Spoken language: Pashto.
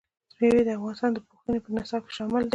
مېوې د افغانستان د پوهنې په نصاب کې شامل دي.